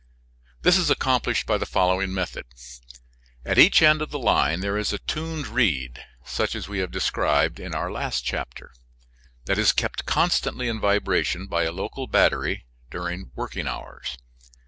This is accomplished by the following method: At each end of the line there is a tuned reed, such as we have described in our last chapter, that is kept constantly in vibration by a local battery during working hours.